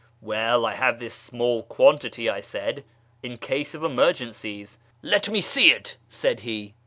" Well, I have this small quantity," I said, " in case of emergencies." " liCt me see it," said he.